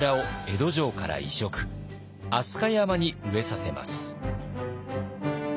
飛鳥山に植えさせます。